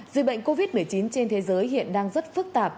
dịch bệnh covid một mươi chín trên thế giới hiện đang rất phức tạp